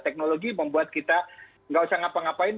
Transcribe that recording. teknologi membuat kita nggak usah ngapa ngapain